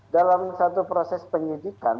dalam satu proses penyidikan